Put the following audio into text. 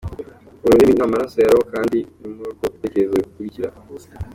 Ururimi ni amaraso ya roho kandi ni muri rwo ibitekerezo bikurira” .